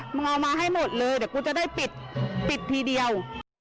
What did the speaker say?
เอามาให้หมดเลยเดี๋ยวกูจะได้ปิดปิดทีเดียว